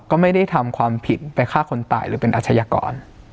ก็ไม่ได้ทำความผิดไปฆ่าคนตายหรือเป็นอาชญากร